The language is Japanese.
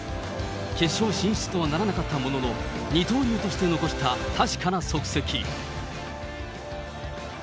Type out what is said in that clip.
決勝進出とはならなかったものの、二刀流として残した確かな足跡。